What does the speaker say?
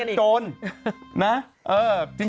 เขาไม่ได้เป็นโจร